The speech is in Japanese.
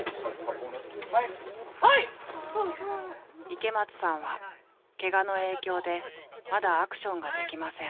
池松さんはケガの影響でまだアクションができません。